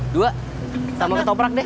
dua sama ke toprak deh